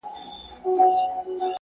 سالم فکر سالم ژوند جوړوي!